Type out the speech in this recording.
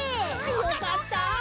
よかった！